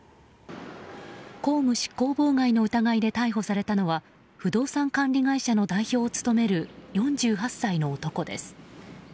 公務執行妨害の疑いで逮捕されたのは不動産管理会社の代表を務める４８歳の男です。